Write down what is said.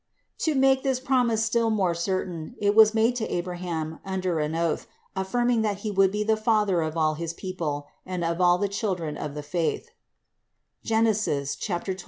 To make this promise still more certain it was made to Abraham under an oath, affirm ing that he would be the father of all his people and of all the children of the faith (Gen. 22, 16).